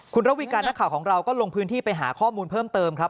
คุณระวีการนักข่าวของเราก็ลงพื้นที่ไปหาข้อมูลเพิ่มเติมครับ